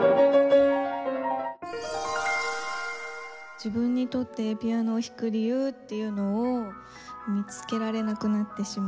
自分にとってピアノを弾く理由っていうのを見つけられなくなってしまって。